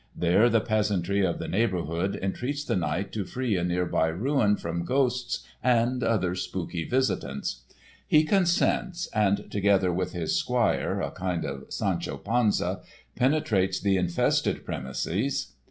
There the peasantry of the neighborhood entreats the knight to free a nearby ruin from ghosts and other spooky visitants. He consents and, together with his squire (a kind of Sancho Panza), penetrates the infested premises.